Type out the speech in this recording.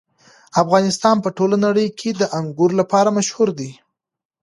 افغانستان په ټوله نړۍ کې د انګور لپاره مشهور دی.